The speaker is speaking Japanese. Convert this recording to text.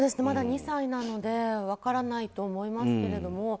まだ２歳なので分からないと思いますけれども。